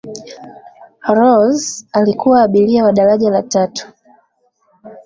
rose alikuwa abiria wa daraja la tatu